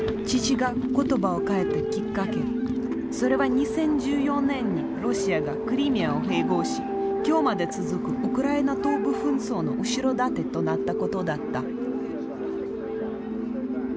それは２０１４年にロシアがクリミアを併合し今日まで続くウクライナ東部紛争の後ろ盾となったことだった。